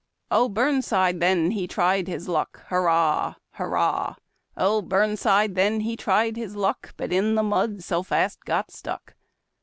Oh, Burnside then he tried his luck. Hurrah! Hurrah! Oh, Burnside then he tried his luck, But in the mud so fast got stuck.